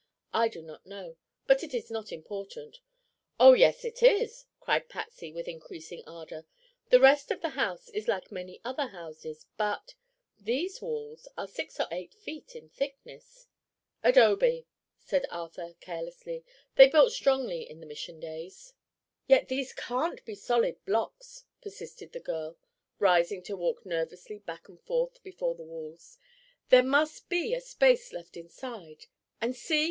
I do not know; but it is not important." "Oh, yes it is!" cried Patsy with increasing ardor. "The rest of the house is like many other houses, but—these walls are six or eight feet in thickness." "Adobe," said Arthur carelessly. "They built strongly in the mission days." "Yet these can't be solid blocks," persisted the girl, rising to walk nervously back and forth before the walls. "There must be a space left inside. And see!